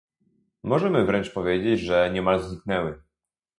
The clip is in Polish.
Możemy wręcz powiedzieć, że niemal zniknęły